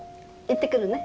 行ってくるね。